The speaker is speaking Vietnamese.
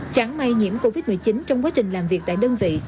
chẳng may nhiễm covid một mươi chín trong quá trình làm việc tại đơn vị